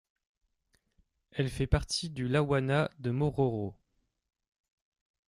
Elle fait partie du lawanat de Mororo.